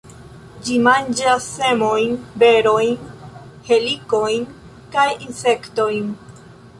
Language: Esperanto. Ĝi manĝas semojn, berojn, helikojn kaj insektojn.